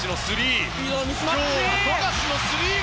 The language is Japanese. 富樫のスリー！